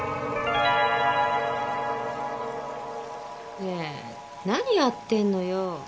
ねえ何やってんのよ？